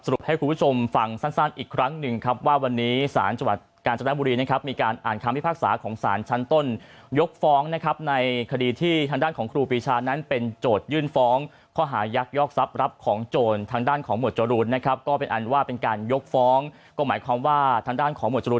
ให้คุณผู้ชมฟังสั้นอีกครั้งหนึ่งครับว่าวันนี้สารจังหวัดกาญจนบุรีนะครับมีการอ่านคำพิพากษาของสารชั้นต้นยกฟ้องนะครับในคดีที่ทางด้านของครูปีชานั้นเป็นโจทยื่นฟ้องข้อหายักยอกทรัพย์รับของโจรทางด้านของหมวดจรูนนะครับก็เป็นอันว่าเป็นการยกฟ้องก็หมายความว่าทางด้านของหวดจรู